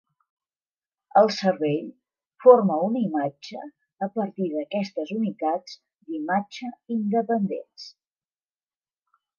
El cervell forma una imatge a partir d'aquestes unitats d'imatge independents.